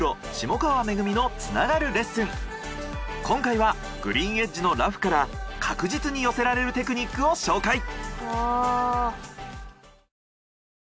今回はグリーンエッジのラフから確実に寄せられるテクニックを紹介。